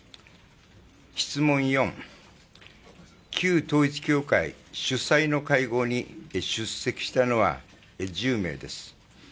質問４、旧統一教会主催の会合に出席したのは１０名です。